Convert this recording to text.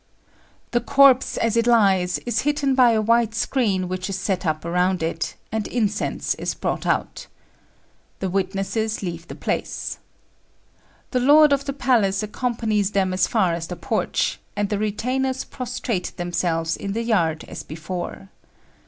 The corpse, as it lies, is hidden by a white screen which is set up around it, and incense is brought out. The witnesses leave the place. The lord of the palace accompanies them as far as the porch, and the retainers prostrate themselves in the yard as before.